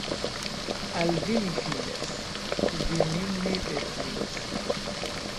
Al vi mi fidas, vi min ne perfidos!